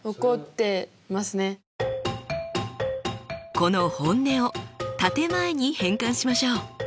この本音を建て前に変換しましょう。